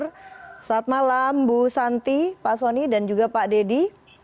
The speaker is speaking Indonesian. selamat malam bu santi pak soni dan juga pak deddy